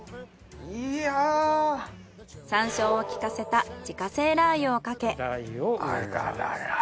山椒を効かせた自家製ラー油をかけ。